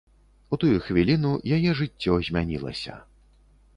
У тую хвіліну яе жыццё змянілася.